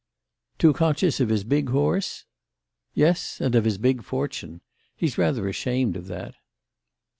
"Too conscious of his big horse?" "Yes and of his big fortune. He's rather ashamed of that."